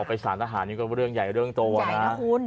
ไปสารทหารนี่ก็เรื่องใหญ่เรื่องโตนะ